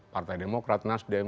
partai demokrat nasdem